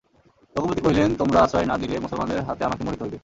রঘুপতি কহিলেন, তোমরা আশ্রয় না দিলে মুসলমানদের হাতে আমাকে মরিতে হইবে।